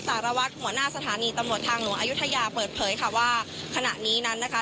สารวัตรหัวหน้าสถานีตำรวจทางหลวงอายุทยาเปิดเผยค่ะว่าขณะนี้นั้นนะคะ